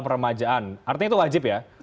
peremajaan artinya itu wajib ya